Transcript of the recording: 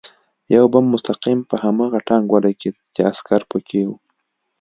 یو بم مستقیم په هماغه ټانک ولګېد چې عسکر پکې و